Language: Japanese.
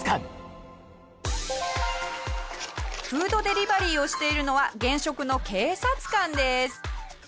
フードデリバリーをしているのは現職の警察官です。